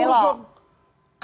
lurus gak boleh belok belok